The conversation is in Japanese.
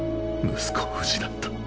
息子を失った。